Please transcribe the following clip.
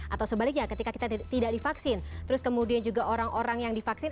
atau sebaliknya ketika kita tidak divaksin terus kemudian juga orang orang yang divaksin